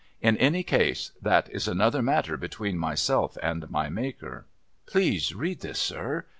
In any case that is another matter between myself and my Maker." "Please read this, sir?"